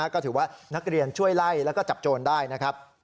ก็ถือว่านักเรียนช่วยไล่แล้วก็จับโจรได้นะครับ